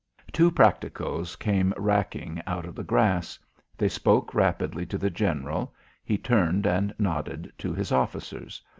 Two practicos came racking out of the grass. They spoke rapidly to the general; he turned and nodded to his officers.